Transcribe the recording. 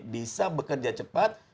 bisa bekerja cepat